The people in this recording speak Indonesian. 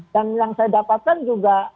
dan yang saya dapatkan juga